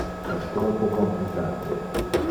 Es troppo complicate.